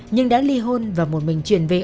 nhưng đã ly hôn và một mình truyền về